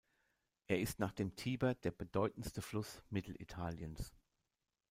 Er ist nach dem Tiber der bedeutendste Fluss Mittelitaliens.